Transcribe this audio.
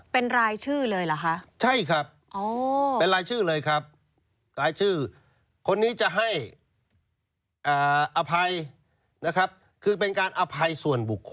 เป็นรายชื่อเลยเหรอคะใช่ครับเป็นรายชื่อเลยครับรายชื่อคนนี้จะให้อภัยนะครับ